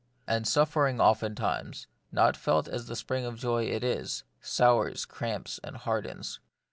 And suffering oftentimes, not felt as the spring of joy it is, sours, cramps, and hardens.